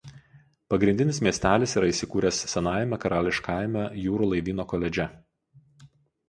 Pagrindinis miestelis yra įsikūręs Senajame karališkajame jūrų laivyno koledže.